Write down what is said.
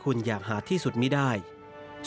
ทรงมองเห็นความสำคัญของการศึกษาทางไกลผ่านดาวเทียม